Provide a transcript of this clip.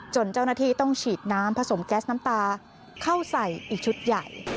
เจ้าหน้าที่ต้องฉีดน้ำผสมแก๊สน้ำตาเข้าใส่อีกชุดใหญ่